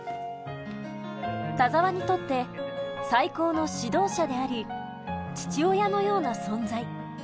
田澤にとって最高の指導者であり父親のような存在。